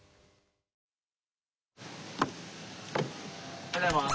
おはようございます。